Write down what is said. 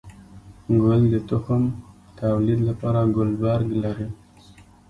گل د تخم توليد لپاره ګلبرګ لري